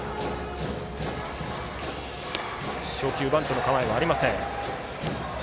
初球バントの構えはありません。